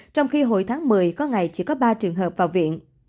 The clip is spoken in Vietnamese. trong khi hồi tháng một mươi có ngày chỉ có ba trường hợp vào viện